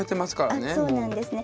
あっそうなんですね。